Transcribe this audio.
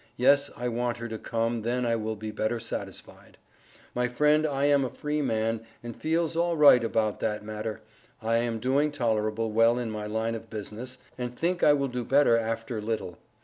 Yes I want her to come then I will be better satisfied. My friend I am a free man and feeles alright about that matter. I am doing tolrable well in my line of business, and think I will do better after little.